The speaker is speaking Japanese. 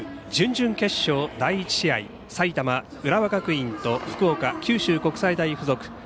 準々決勝、第１試合埼玉、浦和学院と福岡、九州国際大付属。